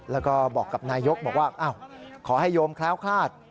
แล้วก็บอกกับนายกรัฐมนตรีบอกว่าขอให้โยมคล้าวคลาด